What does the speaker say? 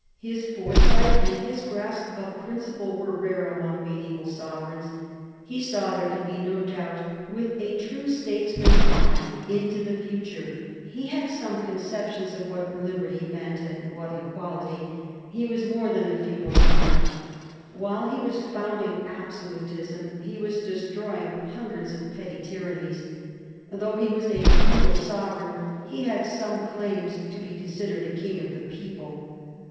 His foresight and his grasp of principle were rare among medieval sovereigns. He saw, there can be no doubt, with a true statesman's eye, into the future. He had some conception of what liberty meant, and what equality. He was more than a feudal monarch. While he was founding absolutism he was destroying hundreds of petty tyrannies. Though he was a feudal sovereign, he has some claims to be considered a king of the people.